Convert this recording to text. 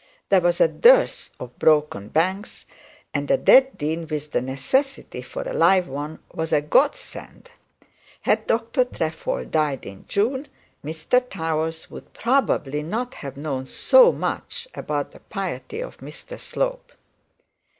There was a dearth of broken banks, and a dead dean with the necessity for a live one was a godsend. Had Dr Trefoil died in June, Mr Towers would probably not have known so much about the piety of Mr Slope.